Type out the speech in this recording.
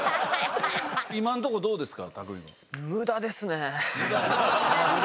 今のところどうですか？